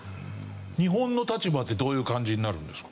日本の立場ってどういう感じになるんですか？